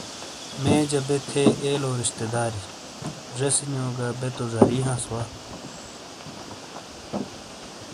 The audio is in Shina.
میجہ بے تھے ایلو رشتےداری ۔جےسینیو گہ بے تو زاری ہانس وا۔